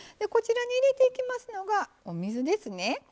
こちらに入れていきますのがお水ですね。